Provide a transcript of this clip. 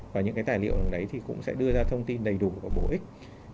và những cái tài liệu đấy thì cũng sẽ đưa ra thông tin đầy đủ và bổ ích